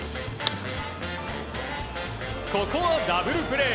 ここはダブルプレー。